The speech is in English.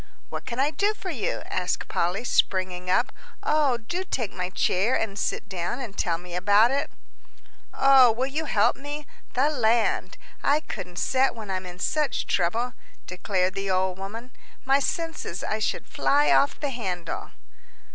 "What can I do for you?" asked Polly, springing up. "Oh, do take my chair and sit down and tell me about it." "Oh, will you help me? The land! I couldn't set when I'm in such trouble," declared the old woman. "My senses, I should fly off the handle!"